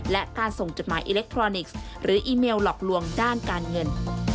และการส่งจดหมายอิเล็กทรอนิกส์หรืออีเมลหลอกลวงด้านการเงิน